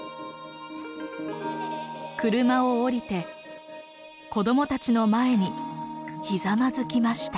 車を降りて子どもたちの前にひざまずきました。